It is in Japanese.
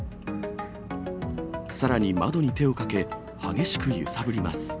さらに窓に手をかけ、激しく揺さぶります。